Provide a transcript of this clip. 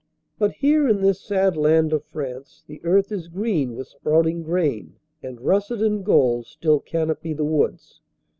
But here in this sad land of France the earth is green with sprouting grain and russet and gold still canopy the woods.